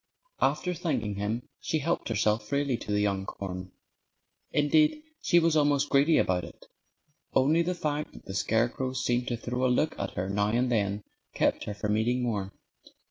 After thanking him she helped herself freely to the young corn. Indeed, she was almost greedy about it. Only the fact that the scarecrow seemed to throw a look at her now and then kept her from eating more.